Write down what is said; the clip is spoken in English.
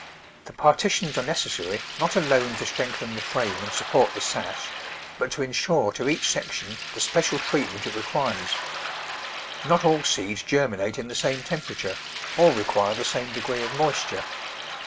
The partitions are necessary, not alone to strengthen the frame and support the sash, but to Digitized by Google 32 The Flower Garden [Chapter insure to each section the special treatment it requires. Not all seeds germinate in the same temperature, or require the same degree of moisture.